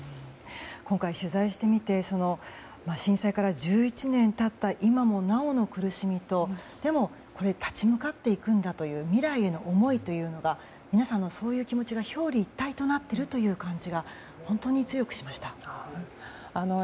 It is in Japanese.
今回、取材してみて震災から１１年経った今もなおの苦しみとそれに立ち向かっていくという未来への思いというのが皆さんの、そういう気持ちが表裏一体となっている感じが強くしました。